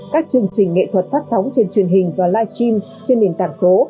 các chương trình nghệ thuật phát sóng trên truyền hình và live stream trên nền tảng số